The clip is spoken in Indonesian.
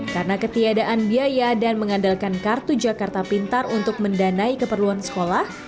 karena ketiadaan biaya dan mengandalkan kartu jakarta pintar untuk mendanai keperluan sekolah